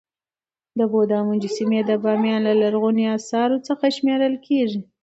د بودا مجسمي د بامیان له لرغونو اثارو څخه شمېرل کيږي.